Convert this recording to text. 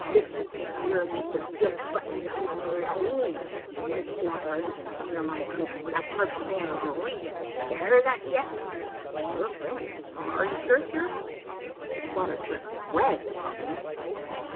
Let me tell yer, Mister Gilt Buttons, I don't 'low any man white, black, or Injun to enter my clarin' 'ithout fust knowin' his reezun. Ye hear that, d'ye?" "Your clearing! Are you sure it is yours?" The squatter turned red upon the instant.